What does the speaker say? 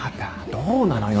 どうなのよ？